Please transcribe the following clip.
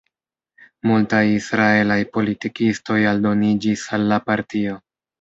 Multaj israelaj politikistoj aldoniĝis al la partio.